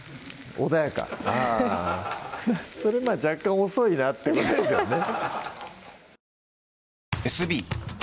穏やかあぁそれまぁ若干遅いなってことですよね